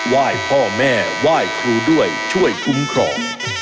วาดพ่อแม่วาดครูด้วยช่วยทุมขร่อง